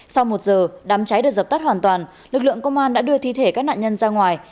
sau một giờ đám cháy được dập tắt hoàn toàn lực lượng công an đã đưa thi thể các nạn nhân ra ngoài